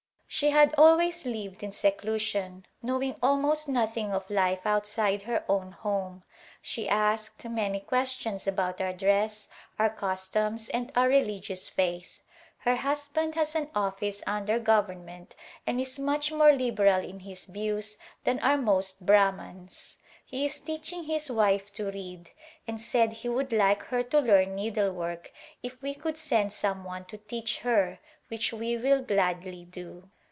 She had always lived in seclusion, knowing almost nothing of life outside her own home. She asked many questions about our dress, our customs and our religious faith. Her hus band has an office under government and is much more liberal in his views than are most Brahmans. He is teaching his wife to read, and said he would like her to learn needlework if we could send some one to teach her, which we will gladly do.